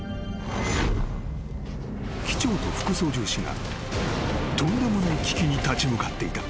［機長と副操縦士がとんでもない危機に立ち向かっていた］